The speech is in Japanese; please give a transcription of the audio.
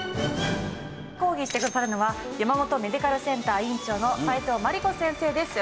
講義してくださるのは山本メディカルセンター院長の齋藤真理子先生です。